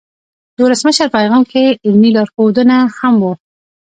د ولسمشر پیغام کې علمي لارښودونه هم وو.